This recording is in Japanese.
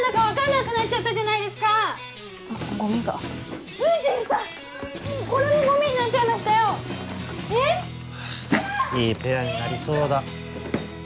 いいペアになりそうだ。